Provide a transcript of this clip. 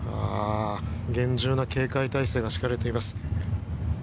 厳重な警戒態勢が敷かれています。